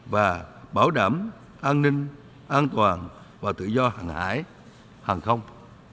và bảo đảm an ninh an toàn và tự do hàng hải hàng không